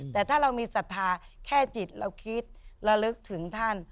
แต่ถ้าเรามีศรัทธาแค่จิตเราคิดระลึกถึงท่าน